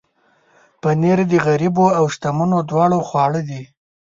پنېر د غریبو او شتمنو دواړو خواړه دي.